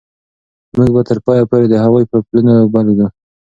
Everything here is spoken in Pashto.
موږ به تر پایه پورې د هغوی په پلونو پل ږدو.